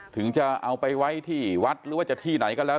ถึงจะเอาไปไว้ที่วัดหรือว่าจะที่ไหนก็แล้ว